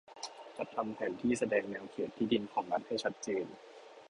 จัดทำแผนที่แสดงแนวเขตที่ดินของรัฐให้ชัดเจน